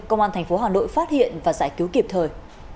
công an tp hà nội phát hiện và giải cứu kịp thời